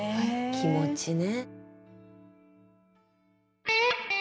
気持ちね。